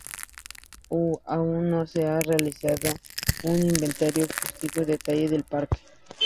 Aún no se ha realizado un inventario faunístico detallado del parque.